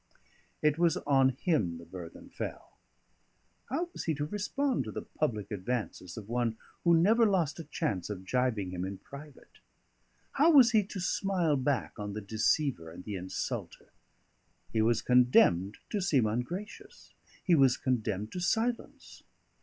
It was on him the burthen fell. How was he to respond to the public advances of one who never lost a chance of gibing him in private? How was he to smile back on the deceiver and the insulter? He was condemned to seem ungracious. He was condemned to silence.